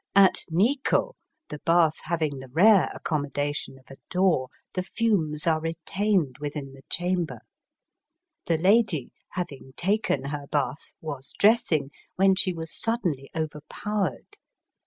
At Nikko, the bath having the rare accommodation of a door, the fumes are retained within the chamber. The lady, having taken her bath, was dressing, when she was suddenly overpowered.